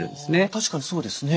確かにそうですね。